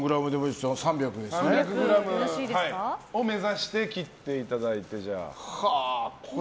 では３００を目指して切っていただいて。